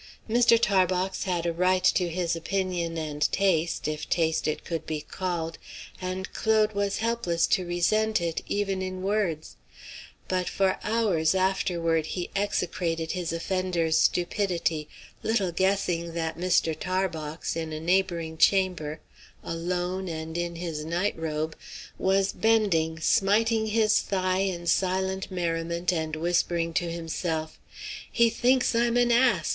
Mr. Tarbox had a right to his opinion and taste, if taste it could be called, and Claude was helpless to resent it, even in words; but for hours afterward he execrated his offender's stupidity, little guessing that Mr. Tarbox, in a neighboring chamber, alone and in his night robe, was bending, smiting his thigh in silent merriment, and whispering to himself: "He thinks I'm an ass!